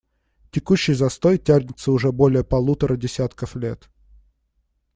Текущий застой тянется уже более полутора десятков лет.